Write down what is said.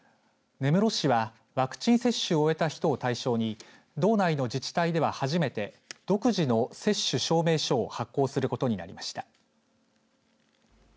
根室市はワクチン接種を終えた人を対象に道内の自治体では初めて独自の接種証明書を発行することになりました。